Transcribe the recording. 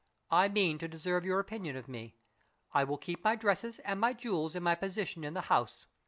I mean to deserve your opinion of me I will keep my dresses and my jewels and my position in the house.